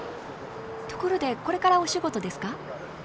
ところでこれからお仕事ですか？